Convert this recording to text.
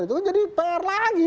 itu kan jadi pengar lagi